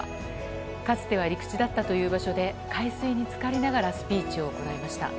かつては陸地だったという場所で海水に浸かりながらスピーチを行いました。